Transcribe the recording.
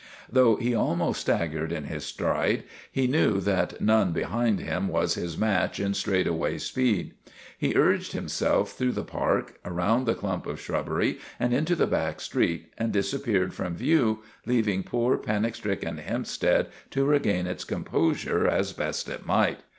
Though he almost staggered in his stride, he knew that none behind him was his match in straight away speed. He urged himself through the park, around the clump of shrubbery and into the back street, and disappeared from view, leaving poor, panic stricken Hempstead to regain its composure as best it might.